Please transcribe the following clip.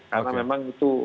karena memang itu